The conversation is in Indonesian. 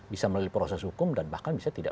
bisa melalui proses hukum dan bahkan bisa tidak